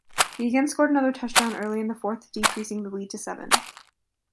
He again scored another touchdown early in the fourth decreasing the lead to seven.